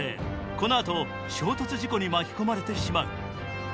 このあと衝突事故に巻き込まれてしまう。